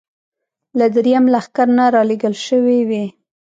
له درېیم لښکر نه را لېږل شوې وې.